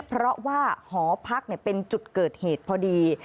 เพราะว่าหอพักเป็นจุดเกิดเหตุพอดี